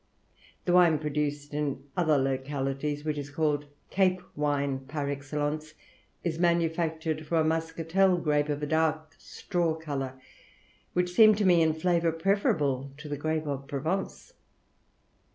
The wine produced in other localities, which is called Cape wine par excellence, is manufactured from a muscatel grape of a dark straw colour, which seemed to me in flavour preferable to the grape of Provence.